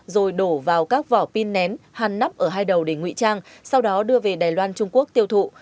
rồi đổ vào các vỏ pin nén hàn nắp ở hai đầu để ngụy trang sau đó đưa về đài loan trung quốc tiêu thụ